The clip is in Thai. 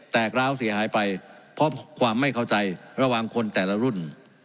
กร้าวเสียหายไปเพราะความไม่เข้าใจระหว่างคนแต่ละรุ่น